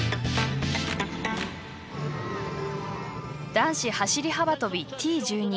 男子走り幅跳び、Ｔ１２